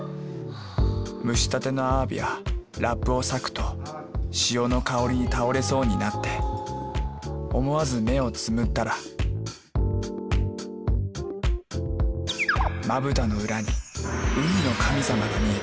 蒸したてのアワビはラップを裂くと潮の香りに倒れそうになって思わず目を瞑ったらまぶたの裏に海の神様が見えた。